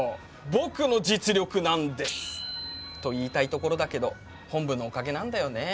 「僕の実力なんです」と言いたいところだけど本部のおかげなんだよね。